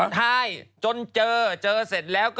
ใช่จนเจอเจอเสร็จแล้ว